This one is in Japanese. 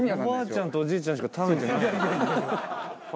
ちゃんとおじいちゃんしか食べてない。